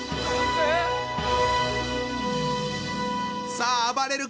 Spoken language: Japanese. さああばれる